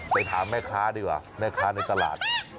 ถามแม่ค้าดีกว่าแม่ค้าในตลาด